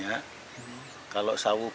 persee penggambaran laporan kosong